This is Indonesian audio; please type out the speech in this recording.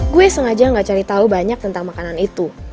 gue sengaja gak cari tahu banyak tentang makanan itu